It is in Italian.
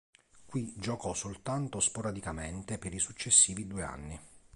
Qui giocò soltanto sporadicamente per i successivi due anni.